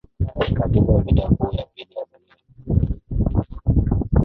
katika Vita Kuu ya Pili ya Dunia